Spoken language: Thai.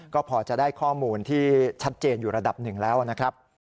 ก็พอจะได้ข้อมูลที่ชัดเจนอยู่ระดับหนึ่งแล้วนะครับ